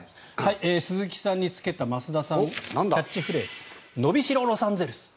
鈴木さんにつけた増田さんのキャッチフレーズ伸びしろロサンゼルス。